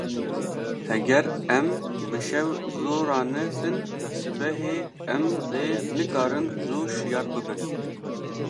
Heger em bi şev zû ranezin, sibehê em dê nikarin zû şiyar bibin.